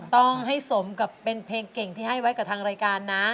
ต้องให้สมกับเป็นเพลงเก่งที่ให้ไว้กับทางรายการนะ